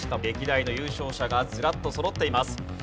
歴代の優勝者がずらっと揃っています。